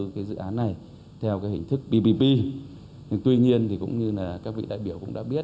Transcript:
cái dự án này theo cái hình thức ppp nhưng tuy nhiên thì cũng như là các vị đại biểu cũng đã biết